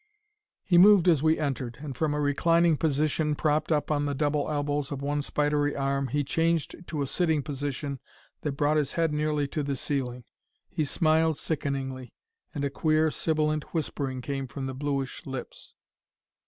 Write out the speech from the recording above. He moved as we entered, and from a reclining position, propped up on the double elbows of one spidery arm, he changed to a sitting position that brought his head nearly to the ceiling. He smiled sickeningly, and a queer, sibilant whispering came from the bluish lips.